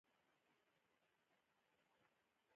پکورې له کلچو سره پخېږي